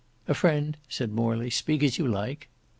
"A friend," said Morley; "speak as you like."